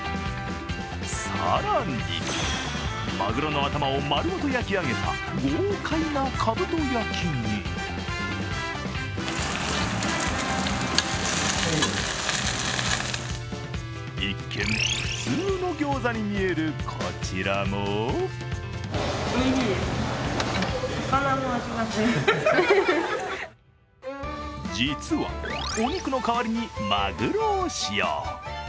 更に、まぐろの頭を丸ごと焼き上げた豪快なかぶと焼きに一見、普通のギョーザに見えるこちらも実はお肉の代わりにまぐろを使用。